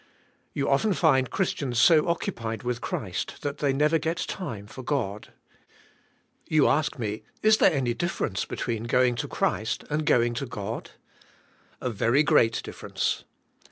You often find Christians so occupied with Christ that they never get time for God. You ask me, is there any difference between going to Christ and going to God? A very great difference.